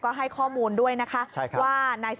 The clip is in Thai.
เขาทำมนต์ดำใส่ตัวผม